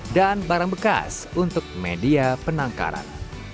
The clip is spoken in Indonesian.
dan barang bekas untuk media penangkaran